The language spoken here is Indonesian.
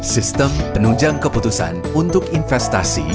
sistem penunjang keputusan untuk investasi